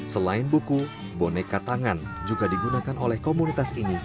selain buku boneka tangan juga digunakan oleh komunitas ini